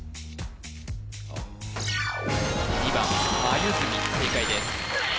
２番まゆずみ正解です